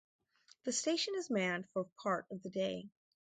The station is manned for part of the day.